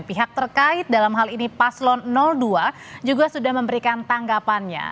pihak terkait dalam hal ini paslon dua juga sudah memberikan tanggapannya